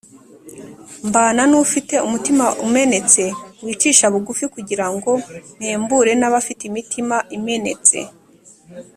mbana n’ufite umutima umenetse wicisha bugufi, kugira ngo mpembure n’abafite imitima imenetse’